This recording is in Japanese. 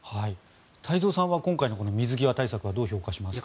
太蔵さんは今回のこの水際対策はどう評価しますか。